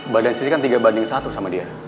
badan city kan tiga banding satu sama dia